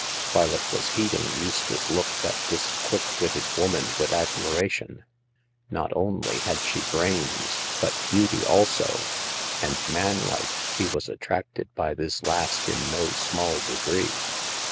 While it was heating Eustace looked at this quick witted woman with admiration. 2iot only had she brains, but beauty also ; and, The First Customer. 49 man like, he was attracted by this last in no small degree.